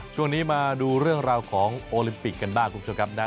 ช่วงนี้มาดูเรื่องราวของโอลิมปิกกันบ้างคุณผู้ชมครับนะ